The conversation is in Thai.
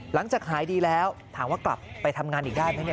หลังจากหายดีแล้วถามว่ากลับไปทำงานอีกได้ไหม